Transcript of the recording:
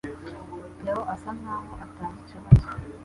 Theo asa nkaho atazi ikibazo